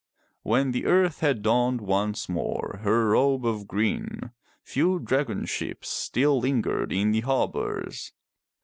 When the earth had donned once more her robe of green, few dragon ships still lingered in the harbors.